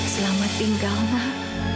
selamat tinggal mas